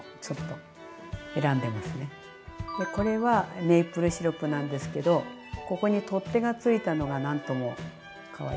これはメープルシロップなんですけどここに取っ手がついたのがなんともかわいいかな。